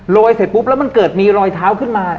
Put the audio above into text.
ยเสร็จปุ๊บแล้วมันเกิดมีรอยเท้าขึ้นมา